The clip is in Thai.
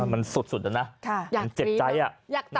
มันสุดอะนะเจ็บใจอะ